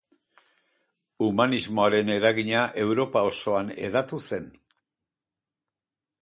Humanismoaren eragina Europa osoan hedatu zen.